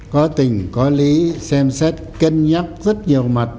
có tình có lý xem xét cân nhắc rất nhiều mặt